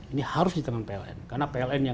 ini harus di tangan pln karena pln yang